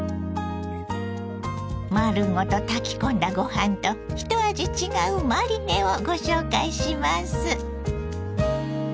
丸ごと炊き込んだご飯と一味違うマリネをご紹介します。